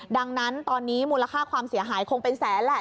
ดังนั้นตอนนี้มูลค่าความเสียหายคงเป็นแสนแหละ